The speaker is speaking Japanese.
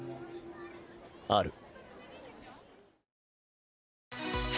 ある。